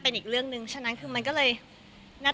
แต่ก็ไม่ได้คิดว่ารีบขนาดนั้นเอาชัวร์ดีกว่า